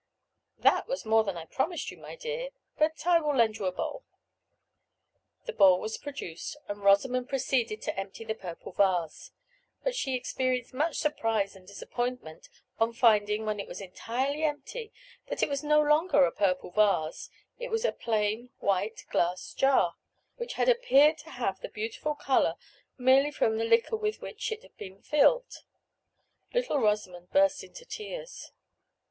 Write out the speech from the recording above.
"That was more than I promised you, my dear; but I will lend you a bowl." The bowl was produced, and Rosamond proceeded to empty the purple vase. But she experienced much surprise and disappointment, on finding, when it was entirely empty, that it was no longer a purple vase. It was a plain white glass jar, which had appeared to have that beautiful color merely from the liquor with which it had been filled. Little Rosamond burst into tears.